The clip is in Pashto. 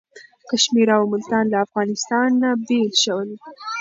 کشمیر او ملتان له افغانستان نه بیل شول.